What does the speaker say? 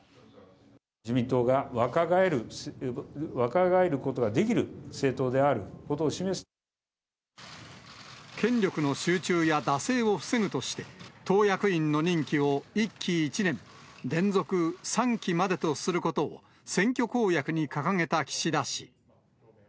自民党が若返ることができる権力の集中や惰性を防ぐとして、党役員の任期を１期１年、連続３期までとすることを、選挙公約に掲げた岸田氏。